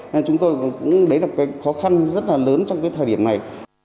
nên chúng tôi cũng đấy là cái khó khăn rất là lớn trong cái thời điểm này